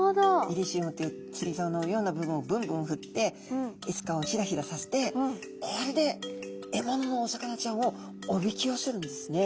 イリシウムっていう釣りざおのような部分をブンブンふってエスカをヒラヒラさせてこれで獲物のお魚ちゃんをおびき寄せるんですね。